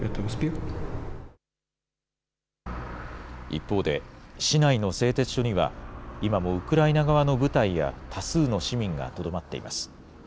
一方で、市内の製鉄所には、今もウクライナ側の部隊や多数の市民がとどまっています。